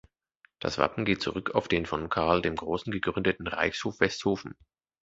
Das Wappen geht zurück auf den von Karl dem Großen gegründeten "Reichshof Westhofen".